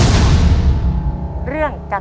ต้นไม้ประจำจังหวัดระยองการครับ